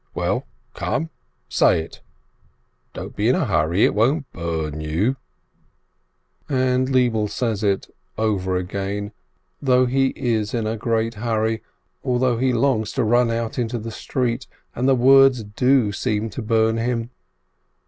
Well, come, say it! Don't be in a hurry, it won't burn you !" And Lebele says it over again, although he is in a great hurry, although he longs to run out into the street, and the words do seem to burn him.